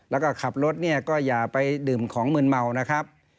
แล้วก็ขับรถเนี่ยก็อย่าไปดื่มของมืนเมานะครับ